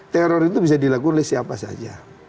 teror itu bisa dilakukan oleh siapa saja